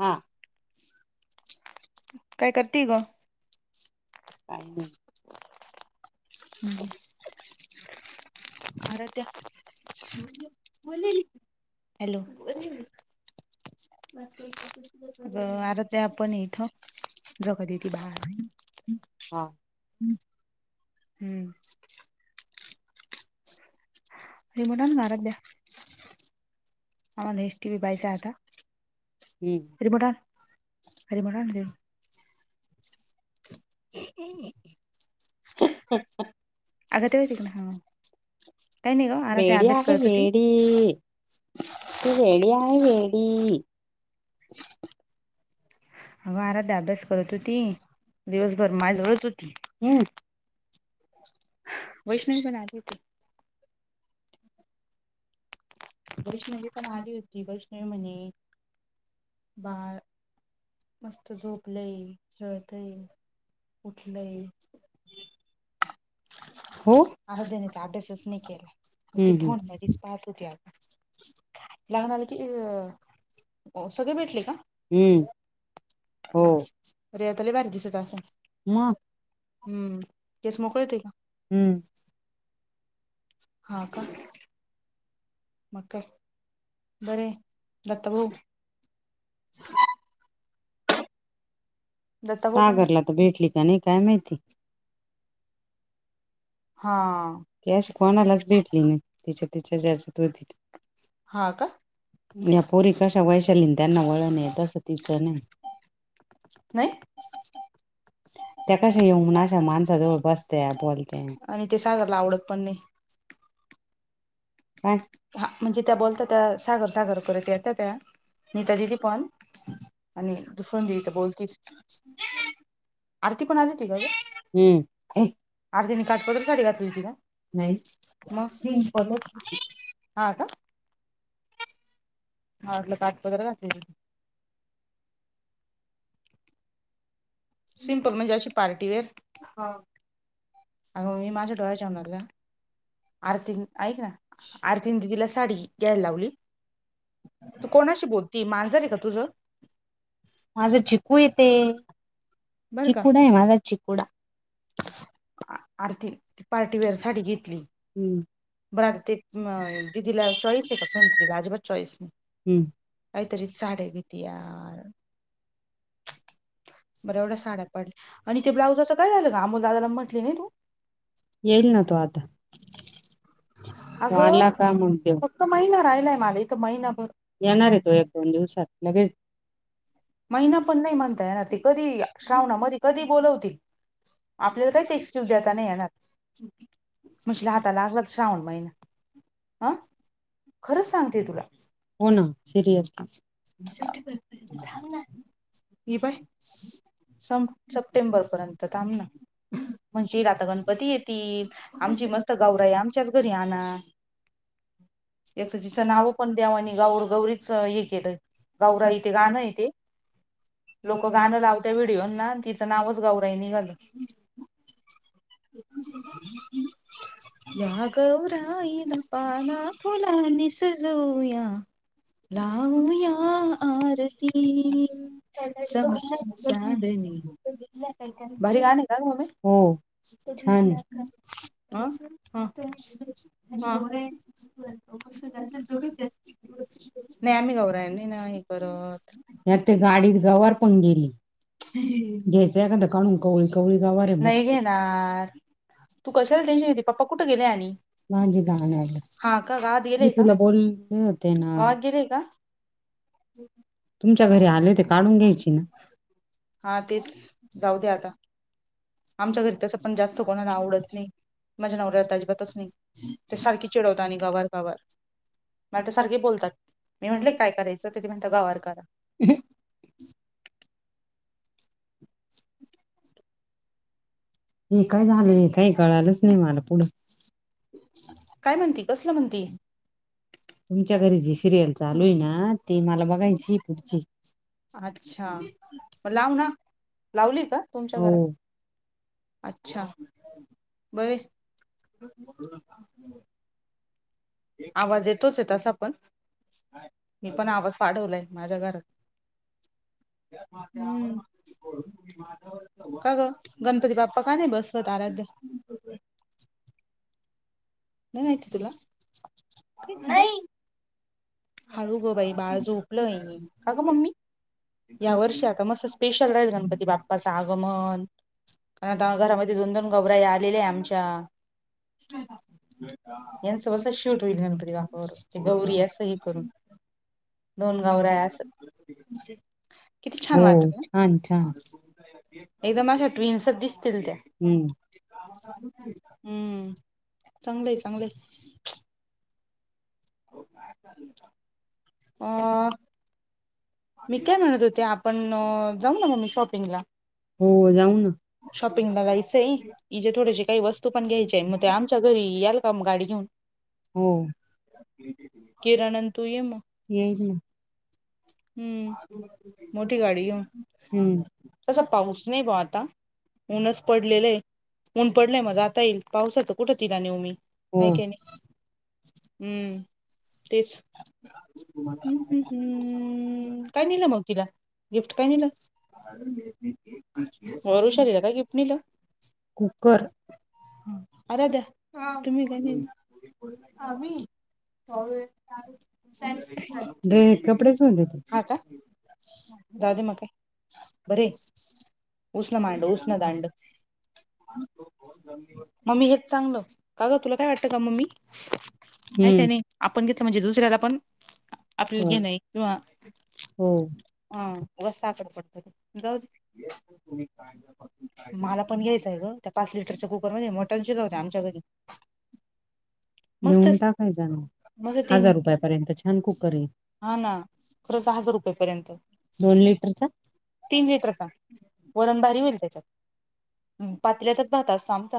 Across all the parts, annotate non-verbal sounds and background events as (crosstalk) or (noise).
हा काय करते ग? काही नाही हमज भार त्या्या नाही हॅलो अर ते आपण इथं जगतेते बार हा हम्म रिमोटान घारातल्याया आम्हाला एस टी वी पायचा आता हम्म अरे मोटार अरे मोट ह् अगातवाती का ना हा काही नाही ग आना ते अभ्यास करत होती तू रेडी आहे रेडी ह अगं आराध अभ्यास करत होती दिवसभर माजवळच होती हम् वैष्णववी बनली त वैष्णवी पण आली होती वैष्णवी म्हणे बाळ मस्त झोपलंय रळतय उठलय हो आराध्या नाहीेत अभ्यासच नाही केला मस् हम्म हम्म फोड मधच पाहत होती आपण लाग्न आलं की अ सगळे भेटले का हम्म हो अरेेतला बारी दिसत अस मग हम्म! केस मोकळे ते का? हम्म! हा, का? मग बरं दत्ता भाऊ दत्ता भाऊ पण सागरला तर भेटली, का नाही काय माहिती? ह हा ती अशी कोणालाच भेटली ना तिच्या तिच्या ज्याच्यात होती. हा, का? या पोरी कशा वैशालीन त्यांना वळण आहे तसं तिचं नाही. नाही. त्या कशा येऊ अशा माणसाजवळ बसत्या बोलत्या. आणि ते सागरला आवडत पण नाही. काय हा म्हणजे, त्या बोलता त्या सागर सागर करत येत त्या. नीता दिदि पण आणि कुसुम दिदि तर बोलतीच. आरती पण आलीती का गं? हम्म ए आरती न काठपदर साडी घातली होती काय? नाही म (unintelligible) हा, का? मला वाटलं काठपदर घातलेली. सिम्पल म्हणजे, अशी पार्टीवेअर. आगं मी माझ्या डोळ्याजेवनात गं. सिंपलच आरतीन ऐक ना, आरतीन दिदीला साडी घ्यायला लावली. तू कोणाशी बोलती मांजर आहे का तुझं? माझा चिकू ये ते बरं का चिकु नाही, माझा चिकुडा. आरती ती पार्टीवेअर साडी घेतली. हम्म बरा आता ते दिदीला चॉईस आहे, (unintelligible) अजिबात चॉईस नाही. काहीतरी साड्या घेती या. (unintelligible) बऱ्या एवढ्या साड्या पडल्या, आणि ते ब्लाउजाचं काय झालं ग अमोल दाला म्हटले नाही तू? येईल ना, तो आता तो आला का म देवू. एक महिना राहिलंय, मला एक महिनाभर. येणार आहे येणारेत तो एक दोन दिवसात लगेच महिना पण नाही, म्हणता येणार ये. कधी श्रावणा मधी कधी बोलवतील आपल्याला काहीच, एक्सक्यूज देता नाही येणार. (unintelligible) हाता लागला, तर श्रावण म महिना. हं खरं सांगते तुला, हो ना सिरियस हो (unintelligible) थांब ना. नाही बाई. स- सप्टेंबर पर्यंत छान थांब आहे ना. म्हणजे आता गणपती येतील, आमची मस्त गौराई आमच्याच घरी आणा. यां तिचं नाव पण द्याव नी गौर- गौरीच हे केलं गौरा इथे गाणं आहे तेे. लोक गाणं लावतं व्हिडिओ ना तिचं नावचं गौराई निघाल. या गौराईण पाना फुलांनी सजवूया लावूया आरती चम चम चांदणी भारी गाणं का गं मम्मे. छान ये! हा ह हा. आम्ही गौराई नाही ना हे करत (unintelligible) यार ते गाडी गवार पण गेली. (unintelligible) घ्यायचं एखादां काढून कवळी कवळी गवारे नाही मस्त. घेणार तू कशाला टेन्शन घेते पप्पा कुठे गेले? आणि. माझी (unintelligible) म्हणं हा का गावात मी गेलेय का तुला बोलले होते ना. गावात गेलेय का तुमच्या घरी आले ते काढून घ्यायची ना हा ते जाऊ द्या आता आमच्या घरी तसं पण जास्त कोणाला आवडत नाही माझ्या नवऱ्याला अजिबातच नाही (inaudible) ते सारखे चिडवता न गवर गवर मला तर सारखे बोलतात मी म्हंटले काय करायचं तथे म्हणत गावार करा हे काय झाले काही कळालंच नाही मला पुढं काय म्हणती कसलं म्हणती तुमच्या घरी जी सिरियल चालू आहे ना ती मला बघायची पुढची अच्छा म लाव ना लावली का तुमच्या हो घरात अच्छा बर (inaudible) आवाज येतोच आहे तसा पण मी पण आवाज वाढवलाय माझ्या घरात का ग गणपती बाप्पा का नाही बसवत आराध्य नाही माती तुला हळू ग बाई बाळ झोपलंय का ग मम्मी या वर्षी आता मस् स्पेशल राहील गणपती बाप्पाचं आगमन कारण आता घरामध्ये दोन दोन गौबरा आलेले आमच्या यांचंब अस शूट होईल मणपरी वाकावर ते गौरी असं कर दोन गाव रायास किती छान हो वाटत ना छान छान एकदम अशा ट्विन्स दिसतील त्या हम्म हम्म चांगलंय चांगलंय अ मी काय म्हणत होते आपण जाऊ ना मग मी शॉपिंगला हो जाऊ ना शॉपिंग ला जायचंय हजे थोडेशी काही वस्तू पण घ्यायची आहे मग ते आम च्या घरी याल का गाडी घेऊन हो किराणन तू ये मग येईल ना हम्म मोठी गाडी ये हम्म तसा पाऊस नाही प आता ऊनच पडलेलंय ऊन पडलंय मग जाता येईल पावसाचं कुठं तिला नेहमी हो काय काय नाही हम्म तेच हम हम्म हम्म हम् काय निलं मग तिला गिफ्ट काय निलं वरुषारीला का किपणीला कुकर ह तुम्ही कध आही े कपडेचोन देत जा दे म बर उष्ण मांडव उष्ण दांड मम्मी हेच चांगलं का ग तुला काय वाटत का मम्मी काय काय हम्म नाही आपण घेतलं म्हणजे दुसऱ्याला पण आपल्या हो घे नाही किंवा हो हा वस् आकडे पडतात जा मला पण घ्यायचंय ग त्या पाच लिटरच्या कुकरमध्येध्ये मटन शर होते आमच्याकडे (inaudible) घेऊन टाकायच मस्त ना तीन हजार रुपयापर्यंत छान कुकर आहे हा ना खरंच हजार रुपयेपर्यंत दोन लिटरचा तीन लिटर का वरणबारी होईल त्याच्यात ह पात्रतच राहत असतो आमचा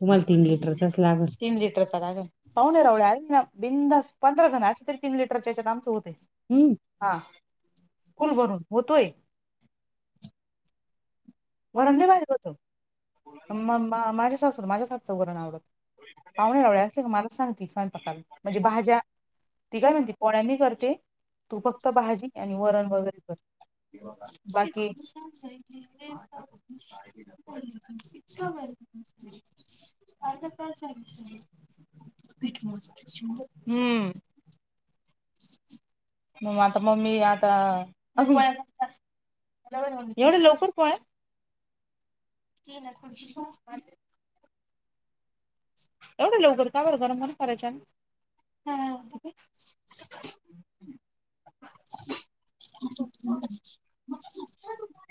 तुम्हाला तीन लिटरचाच लागल तीन लिटर चाला का पाहणारवड्या बिंदस पंधरा जण अस तरी तीन लिटरच्यात आमचं होते हुं हा... फुल भरून होतोय वरण लई (unintelligible) होतं... म... म.. माझ्या सासुला... माझ्याच हातचं वरण आवडतं पाहुण्या रावळ्या असल्या की मलाच सांगती स्वयंपाकाला... म्हणजे भाज्या... ती काय म्हणती पोळ्या मी करते तू फक्त भाजी... आणि वरण वगैरे कर... बाकी (unintelligible) (unintelligible) आता काय चाल (unintelligible) हम्म मग आता, मम्मी... आता... (unintelligible) एवढ्या लवकर पोळ्या? ती ना थोडं (unintelligible) एवढ्या लवकर का बरं... गरम गरम करायच्या ना... हा (unintelligible)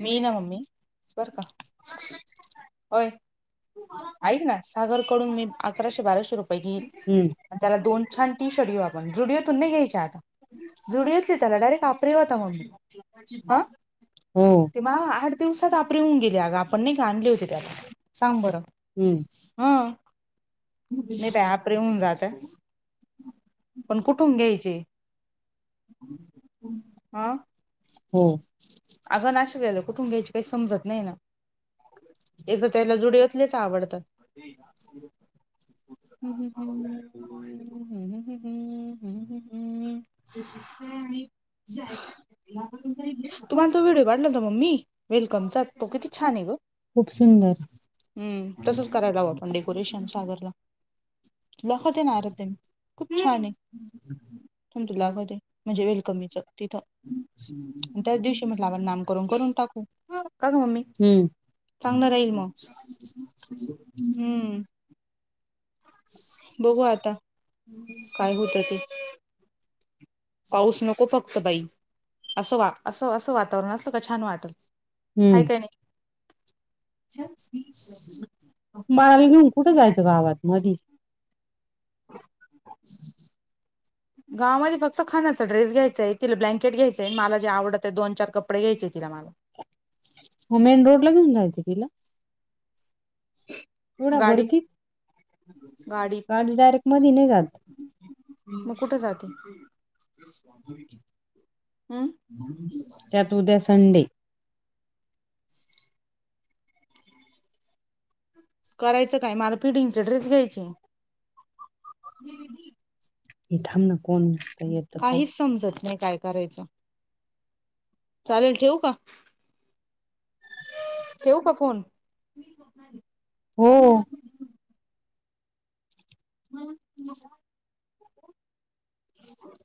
मी... ना... मम्मी... बर का... (inaudible) ओय ऐक ना... सागरकडून... मी अकराशे... बाराशे रुपये घेईल हम्म अन त्याला दोन छान टी शर्ट घेऊ आपण... झूडिओतून नाही घ्यायचे आता झुडिओतले त्याला डायरेक्ट आपरे होता, मम्मी... आ हो ते मागं आठ दिवसात... आपरे होऊन गेले अगं... आपण नाही का, आणले होते त्याला... सांग बरं हम्म हं... नई बाई आप आपरे होऊन जात्यात... पण कुठून घ्यायचे? हुं आ.... हो अगं... नाशिकला आल्यावर कुठून घ्यायचे, काई समजत नई ना... एक तर त्याला झुडिओत तलेच आवडतात (unintelligible) हु हु हु... हुहुहुहु... हुहुहु जे दिसतंय आणि (unintelligible) वाटलं होतं मम्मी वेलकमचा. (unintelligible) किती छान ए गं... खूप सुंदर हम्म... तसच करायला लावू आपण डे (unintelligible) खूप छान ए थांब... तुला दाखवते... म्हणजे वेलकमीच्या तिथं त्याच दिवशी म्हटलं, आपण नामकरण करून टाकू... का गं मम्मी... हुं हम्म चांगलं राहील मग.. हम्म बघू आता (unintelligible) काय होतं ते (inaudible) पाऊस नको फक्त बाई... असं वा... असं, असं वातावरण असलं का छान वाटल हाय हम्म का नई? बाळाला घेऊन कुठं जायचं (unintelligible) गावात मधी (unintelligible) गावमध्ये फक्त खणाचा ड्रेस घ्यायचाय... तिला ब्लँकेट घ्यायचय... अन मला जे आवडतं, दो-चार कपडे घ्यायचे तिला मला (unintelligible) हो, मेन रोडला घेऊन जायचं तिला एवढ्या वरती... गाडीत गाडीत गाडी डायरेक्ट मधी नाय जात मग कुठं जाती? हम् त्यात उद्या संडे (unintelligible) करायचं काय... मला फिडिंगचे ड्रेस घ्यायचे हे थांब ना कोण येत काहीच समजत नाई... काय करायचं? चालेल... ठेवू का? ठेवू का फोन? हो. हम्म (unintelligible) ह.